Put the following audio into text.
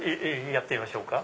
やってみましょうか。